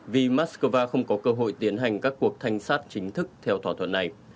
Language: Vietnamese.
vì moscow không có cơ hội tiến hành các cuộc thanh sát chính thức theo thỏa thuận này